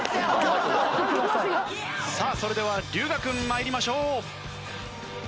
さあそれでは龍我君参りましょう。